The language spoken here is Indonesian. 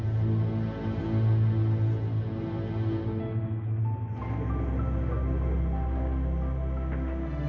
stats ini untuk rina bukan bandasa